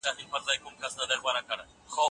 که میندې رحم ولري نو قساوت به نه وي.